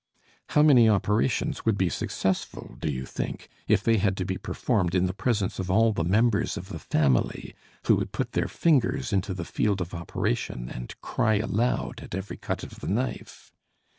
How many operations would be successful, do you think, if they had to be performed in the presence of all the members of the family, who would put their fingers into the field of operation and cry aloud at every cut of the knife?